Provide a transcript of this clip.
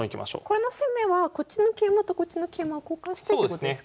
この攻めはこっちの桂馬とこっちの桂馬を交換してってことですか？